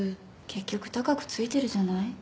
結局高くついてるじゃない。